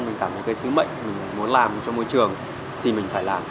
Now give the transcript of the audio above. mình cảm thấy cái sứ mệnh mình muốn làm cho môi trường thì mình phải làm